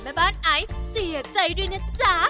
แม่บ้านไอซ์เสียใจด้วยนะจ๊ะ